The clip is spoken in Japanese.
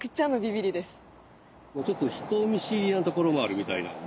ちょっと人見知りなところもあるみたいなんで。